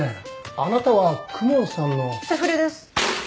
あなたは公文さんのセフレです